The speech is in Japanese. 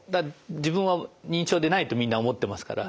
自分は認知症でないとみんな思ってますから。